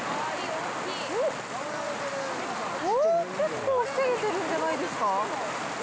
おー、結構防げてるんじゃないですか。